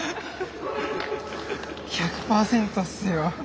１００％っすよ。